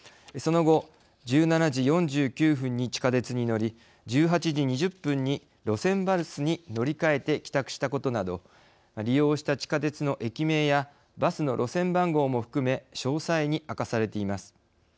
その後１７時４９分に地下鉄に乗り１８時２０分に路線バスに乗り換えて帰宅したことなど利用した地下鉄の駅名やバスの路線番号も含め詳細に明かされています。